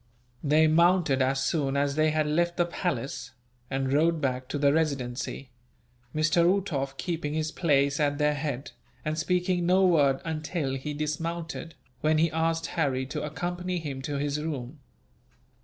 They mounted as soon as they had left the palace, and rode back to the Residency; Mr. Uhtoff keeping his place at their head, and speaking no word until he dismounted, when he asked Harry to accompany him to his room.